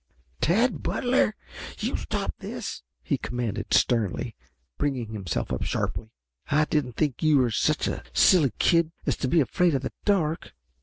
"Tad Butler, you stop this!" he commanded sternly, bringing himself up sharply. "I didn't think you were such a silly kid as to be afraid of the dark."